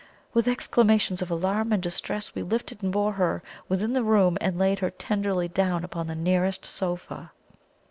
With exclamations of alarm and distress we lifted and bore her within the room and laid her tenderly down upon the nearest sofa.